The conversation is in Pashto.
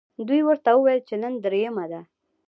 دوی ورته وویل چې نن درېیمه ده.